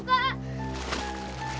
nggak tunggu kak